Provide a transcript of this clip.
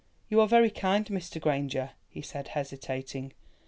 "You are very kind, Mr. Granger," he said, hesitating.